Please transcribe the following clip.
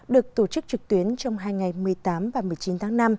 được tổ chức trực tuyến trong hai ngày một mươi tám và một mươi chín tháng năm